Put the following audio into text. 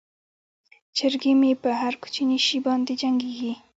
چرګې مې په هر کوچني شي باندې جنګیږي.